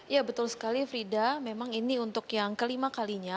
ya betul sekali frida memang ini untuk yang kelima kalinya